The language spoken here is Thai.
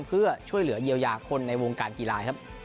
เพื่อช่วยเหลืองเยวยาคนในวงการกีฬา